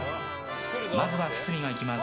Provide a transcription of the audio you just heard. まずは堤がいきます。